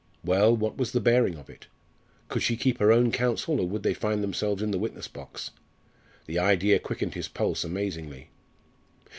Well, what was the bearing of it? Could she keep her own counsel or would they find themselves in the witness box? The idea quickened his pulse amazingly.